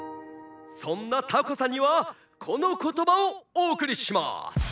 「そんなタコさんにはこのことばをおおくりします！